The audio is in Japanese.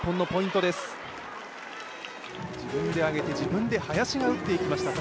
自分で上げて自分で、林が打っていきました。